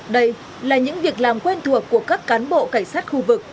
đây là những việc làm quen thuộc của các cán bộ cảnh sát khu vực